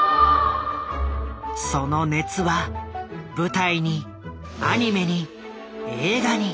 その熱は舞台にアニメに映画に。